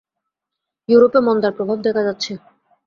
ইউরোপে মন্দার প্রভাব দেখা যাচ্ছে।